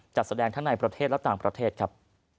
จัดแสดงทั้งในประเทศและต่างประเทศครับ